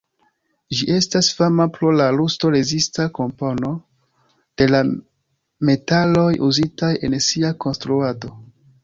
Ĝi estas fama pro la rusto-rezista kompono de la metaloj uzitaj en sia konstruado.